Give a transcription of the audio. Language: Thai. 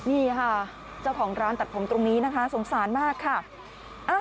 นี่ค่ะเจ้าของร้านตัดผมตรงนี้นะคะสงสารมากค่ะ